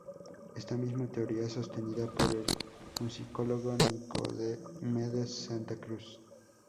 Esta misma teoría es sostenida por el musicólogo Nicomedes Santa Cruz.